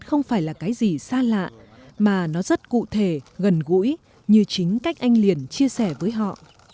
không phải là cái gì xa lạ mà nó rất cụ thể gần gũi như chính cách anh liền chia sẻ với họ